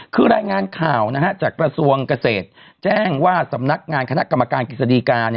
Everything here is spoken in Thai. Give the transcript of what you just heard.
คือรายงานข่าวจากกระทรวงเกษตรแจ้งว่าสำนักงานคณะกรรมการกฤษฎีกา